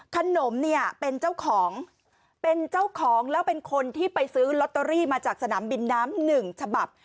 ขนมเนี่ยเป็นเจ้าของเป็นเจ้าของแล้วเป็นคนที่ไปซื้อลอตเตอรี่มาจากสนามบินน้ำหนึ่งฉบับ